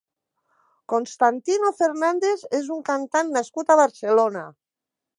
Constantino Fernández és un cantant nascut a Barcelona.